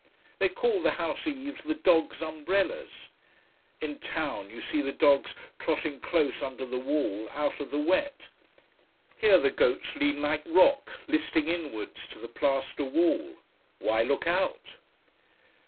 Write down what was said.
They call the house eaves the dogs' umbrellas. In town you see the dogs trotting close under the wall out of the wet. Here the goats lean like rock, listing inwards to the plaster wall. Why look out?